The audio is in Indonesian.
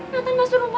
nata masuk rumah sakit